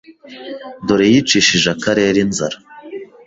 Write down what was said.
dore yicishije akarere inzara